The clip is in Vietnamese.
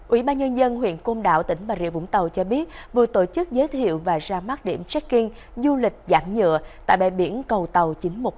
ủy ban nhân dân huyện côn đảo tỉnh bà rịa vũng tàu cho biết vừa tổ chức giới thiệu và ra mắt điểm checking du lịch giảm nhựa tại bãi biển cầu tàu chín trăm một mươi tám